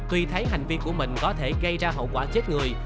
tuy thấy hành vi của mình có thể gây ra hậu quả chết người